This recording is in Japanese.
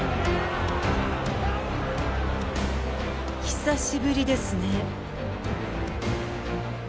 久しぶりですね。